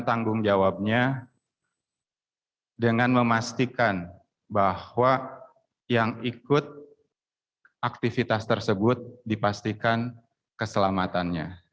tanggung jawabnya dengan memastikan bahwa yang ikut aktivitas tersebut dipastikan keselamatannya